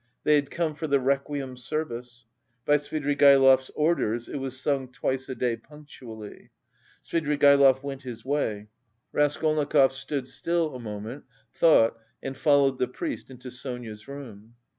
They had come for the requiem service. By Svidrigaïlov's orders it was sung twice a day punctually. Svidrigaïlov went his way. Raskolnikov stood still a moment, thought, and followed the priest into Sonia's room.